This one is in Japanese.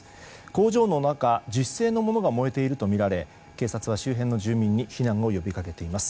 工場の中、樹脂製のものが燃えているとみられ警察は周辺の住民に避難を呼びかけています。